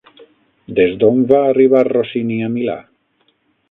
Des d'on va arribar Rossini a Milà?